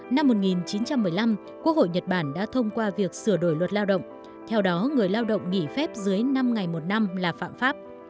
năm một nghìn chín trăm một mươi năm quốc hội nhật bản đã thông qua việc sửa đổi luật lao động theo đó người lao động nghỉ phép dưới năm ngày một năm là phạm pháp